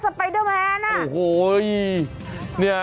จัดกระบวนพร้อมกัน